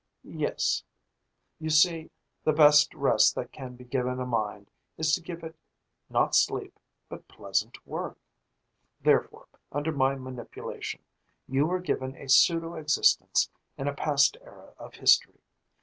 "Yes. You see, the best rest that can be given a mind is to give it not sleep, but pleasant work. Therefore, under my manipulation, you were given a pseudo existence in a past era of history.